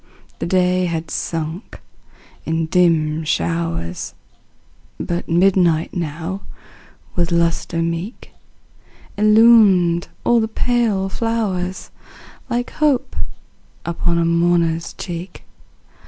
The day had sunk in dim showers, But midnight now, with lustre meet. Illumined all the pale flowers, Like hope upon a mourner's cheek.